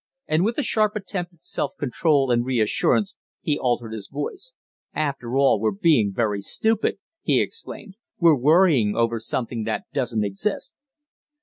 And with a sharp attempt at self control and reassurance he altered his voice. "After all, we're being very stupid!" he exclaimed. "We're worrying over something that doesn't exist."